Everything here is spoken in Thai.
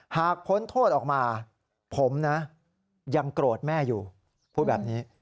พ้นโทษออกมาผมนะยังโกรธแม่อยู่พูดแบบนี้